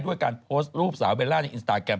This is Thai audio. ด้วยการโพสต์รูปสาวเบลล่าในอินสตาแกรม